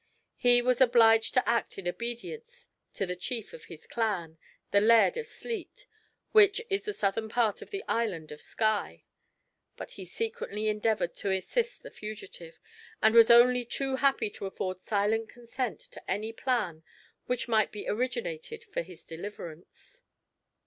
He was obliged to act in obedience to the chief of his clan, the laird of Sleat, which is the southern part of the island of Skye; but he secretly endeavoured to assist the fugitive, and was only too happy to afford silent consent to any plan which might be originated for his deliverance.